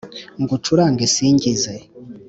ngucurange nsingize